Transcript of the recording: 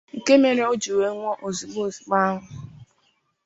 nke mere na ọ nwụrụ ozigbo ozigbo ahụ.